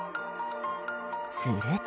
すると。